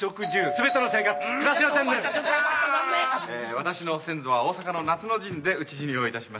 私の先祖は大坂の夏の陣で討ち死にをいたしました。